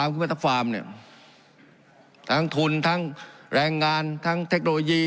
ขึ้นมาทั้งฟาร์มเนี่ยทั้งทุนทั้งแรงงานทั้งเทคโนโลยี